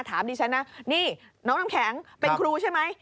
ถามดิฉันนะนี่น้องน้ำแข็งเป็นครูใช่ไหม